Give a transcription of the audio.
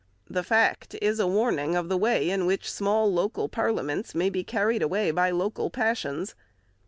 The fact is a warning of the way in which small local parliaments may be carried away by local passions.